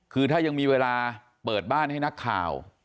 คือถ้ายังมีเวลาเปิดบ้านให้นักข่าว